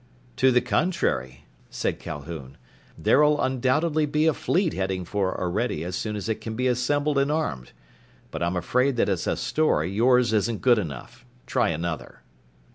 "To the contrary," said Calhoun. "There'll undoubtedly be a fleet heading for Orede as soon as it can be assembled and armed. But I'm afraid that as a story yours isn't good enough. Try another."